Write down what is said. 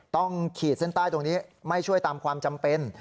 ขีดเส้นใต้ตรงนี้ไม่ช่วยตามความจำเป็น